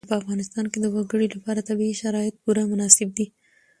په افغانستان کې د وګړي لپاره طبیعي شرایط پوره مناسب دي.